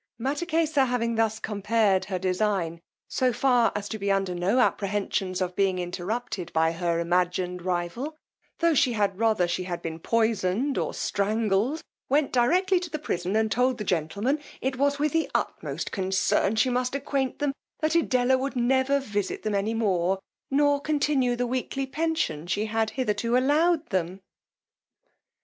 Mattakesa having thus compared her design, so far as to be under no apprehensions of being interrupted by her imagined rival, tho' she had rather she had been poisoned or strangled, went directly to the prison and told the gentlemen, it was with the utmost concern she must acquaint them that Edella would never visit them any more, nor continue the weekly pension she had hitherto allowed them.